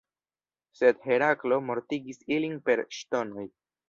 Sed Heraklo mortigis ilin per ŝtonoj.